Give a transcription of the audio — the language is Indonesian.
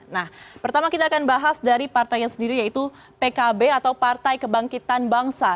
nah pertama kita akan bahas dari partainya sendiri yaitu pkb atau partai kebangkitan bangsa